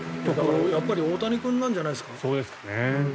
やっぱり大谷君なんじゃないですか。